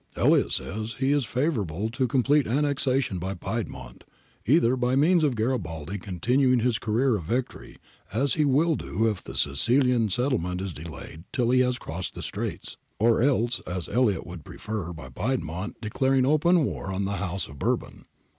Elliot says he is favourable to complete annexation by Piedmont, either by means of Garibaldi continuing his career of victory, as he will do if the Sicilian settlement is delayed till he has' crossed the Straits: or else, as Elliot would prefer, by Piedmont declaring open war on the House of Bourbon.